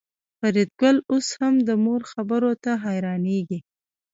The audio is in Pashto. فریدګل اوس هم د مور خبرو ته حیرانېږي